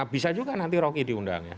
bisa juga nanti rocky diundang ya